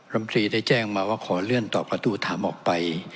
รมตรีได้แจ้งมาว่าขอเลื่อนตอบกระทู้ถามออกไป